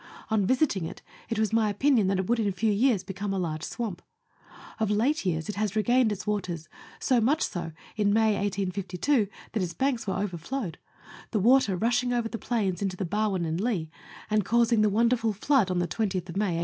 On visiting it, it was my opinion that it would in a few years be come a large swamp. Of late years it has regained its waters, so much so in May 1852, that its banks were overflowed the water rushing over the plains into the Barwon and Leigh, and causing the wonderful flood on the 20th May 1852.